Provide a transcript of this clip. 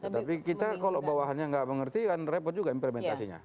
tapi kita kalau bawahannya nggak mengerti kan repot juga implementasinya